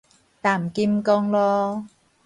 淡金公路